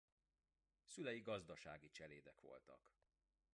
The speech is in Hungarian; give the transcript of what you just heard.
Szülei gazdasági cselédek voltak.